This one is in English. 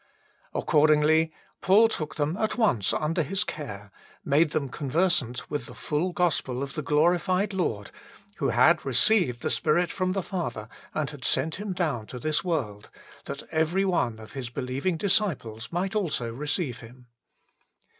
Accordingly, Paul took them at once under his care, made them conversant with the full gospel of the glorified Lord, who had received the Spirit from the Father and had sent Him down to this world, that every one of His believing disciples might also receive Him.